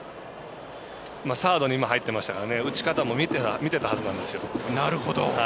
サードに今、入ってましたから打ち方も見てたはずなんですよ。